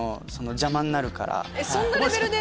そんなレベルで？